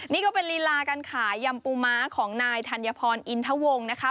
นี่ก็เป็นลีลาการขายยำปูม้าของนายธัญพรอินทวงนะคะ